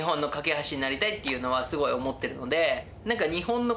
っていうのはすごい思ってるので。